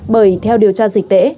bởi theo điều tra dịch tễ